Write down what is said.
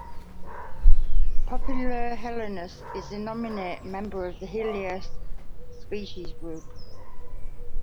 "Papilio helenus" is the nominate member of the "helenus" species group.